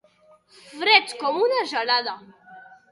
Fred com una gelada.